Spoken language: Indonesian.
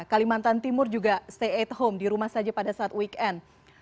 kalimantan timur juga stay at home di rumah saja pada saat weekend